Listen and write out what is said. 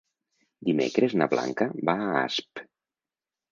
Dimecres na Blanca va a Asp.